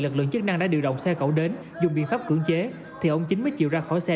lực lượng chức năng đã điều động xe cẩu đến dùng biện pháp cưỡng chế thì ông chính mới chịu ra khỏi xe